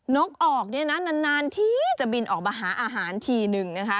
นกออกเนี่ยนะนานที่จะบินออกมาหาอาหารทีนึงนะคะ